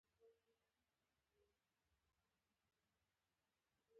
احمد نوک او اورۍ سره جلا کوي.